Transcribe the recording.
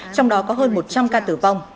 trong đó có hơn một trăm linh ca tử vong